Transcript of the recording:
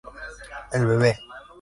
él bebe